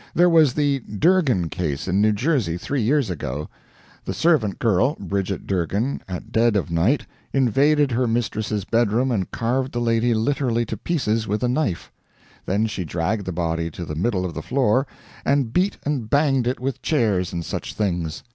There was the Durgin case in New Jersey three years ago. The servant girl, Bridget Durgin, at dead of night, invaded her mistress's bedroom and carved the lady literally to pieces with a knife. Then she dragged the body to the middle of the floor, and beat and banged it with chairs and such things.